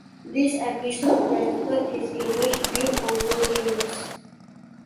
This episode dented his image built over years.